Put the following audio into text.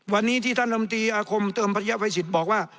วันนี้ที่ท่านลำตีอาคมเติมภรรยาภัยสิทธิ์บอกว่า